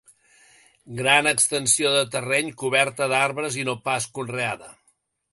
Gran extensió de terreny coberta d'arbres i no pas conreada.